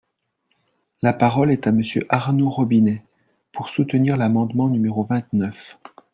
La parole est à Monsieur Arnaud Robinet, pour soutenir l’amendement numéro vingt-neuf.